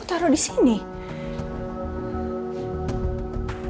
gak mau ngasih duit